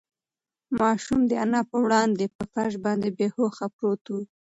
ماشوم د انا په وړاندې په فرش باندې بې هوښه پروت و.